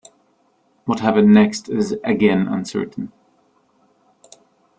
What happened next is again uncertain.